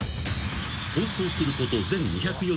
［放送すること全２４９回］